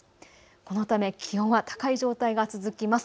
このため気温は高い状態が続きます。